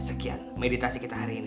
sekian meditasi kita hari ini